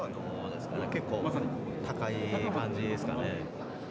高い感じですかね。